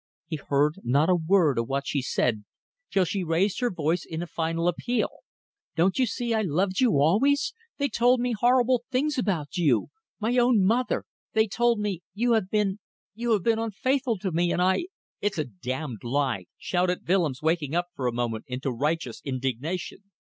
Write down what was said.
He heard not a word of what she said till she raised her voice in a final appeal "... Don't you see I loved you always? They told me horrible things about you. ... My own mother! They told me you have been you have been unfaithful to me, and I ..." "It's a damned lie!" shouted Willems, waking up for a moment into righteous indignation.